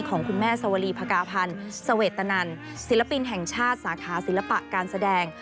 ของคุณแม่สวรีพกาพันธ์เสวตนันศิลปินแห่งชาติสาขาศิลปะการแสดง